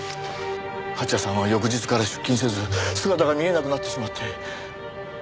蜂矢さんは翌日から出勤せず姿が見えなくなってしまって。